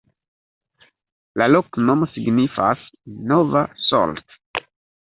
La loknomo signifas: nova-Solt.